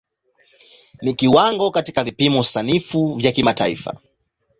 Ni kiwango katika vipimo sanifu vya kimataifa.